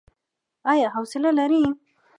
ایا حوصله لرئ؟